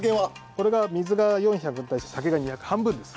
これが水が４００に対して酒が２００半分です。